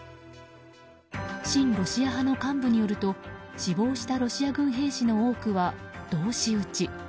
親ロシア派の幹部によると死亡したロシア軍兵士の多くは同士討ち。